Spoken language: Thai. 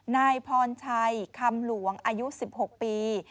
นายพรชัยคำหลวงอายุ๑๖ปี